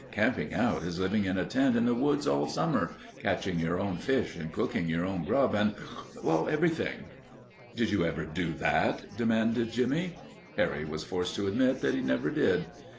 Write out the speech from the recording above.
"Camping out is living in a tent in the woods all summer, catching your own fish and cooking your own grub and and everything." "Did you ever do that?" demanded Jimmie. Harry was forced to admit that he never did.